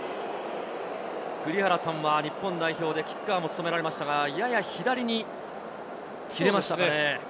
栗原さんは日本代表でキッカーも務められましたが、やや左に切れましたかね。